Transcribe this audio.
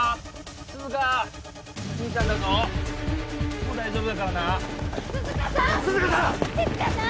涼香兄ちゃんだぞもう大丈夫だからな涼香さん！